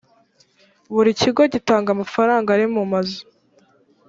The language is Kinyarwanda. buri kigo gitanga amafaranga arimumazu